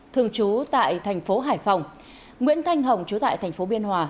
thường trú tại thành phố hải phòng nguyễn thanh hồng chú tại thành phố biên hòa